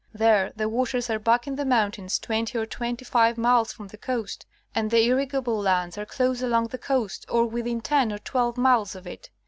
There the waters are back in the mountains, twenty or twenty five miles from the coast, and the irrigable lands are close along the coast, or within ten or twelve miles of it.